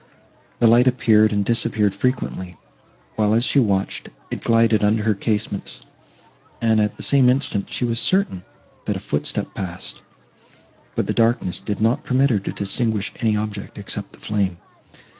The light appeared and disappeared frequently, while, as she watched, it glided under her casements, and, at the same instant, she was certain, that a footstep passed, but the darkness did not permit her to distinguish any object except the flame.